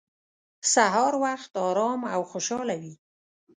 سهار وخت ارام او خوشحاله وي.